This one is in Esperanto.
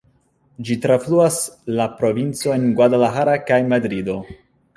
Ĝi trafluas la provincojn Guadalajara kaj Madrido.